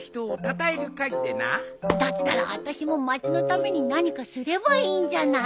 だったらあたしも町のために何かすればいいんじゃない！？